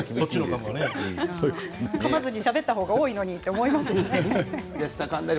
かまずにしゃべった方が多いのにと思いますよね。